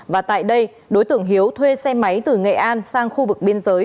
và tại đây đối tượng hiếu thuê xe máy từ nghệ an sang khu vực biên giới